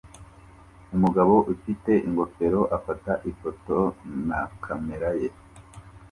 Umugabo ufite ingofero afata ifoto na kamera ye